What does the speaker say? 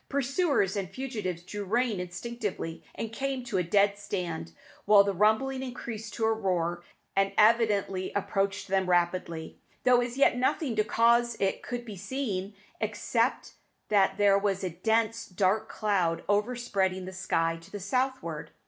Pursuers and fugitives drew rein instinctively, and came to a dead stand; while the rumbling increased to a roar, and evidently approached them rapidly, though as yet nothing to cause it could be seen, except that there was a dense, dark cloud overspreading the sky to the southward.